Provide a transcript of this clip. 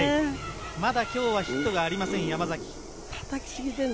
まだ今日はヒットがありません山崎。